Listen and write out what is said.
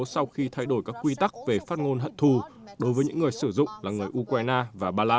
sau khi thay đổi các quy tắc về phát ngôn hận thù đối với những người sử dụng là người ukraine và ba lan